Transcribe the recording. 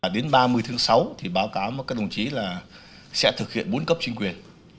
đến ba mươi tháng sáu thì báo cáo với các đồng chí là sẽ thực hiện bốn cấp chính quyền